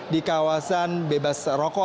di kawasan bebas rokok